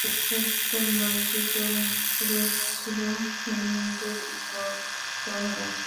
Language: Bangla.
পরে সেপ্টেম্বরে চিত্রগ্রহণ শুরু হয়েছিল ইংল্যান্ডের ইয়র্ক শহরে।